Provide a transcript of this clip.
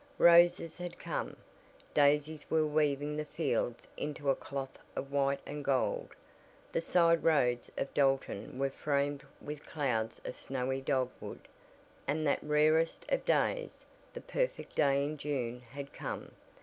Roses had come, daisies were weaving the fields into a cloth of white and gold, the side roads of Dalton were framed with clouds of snowy dogwood, and that "rarest of days" the perfect day in June had come.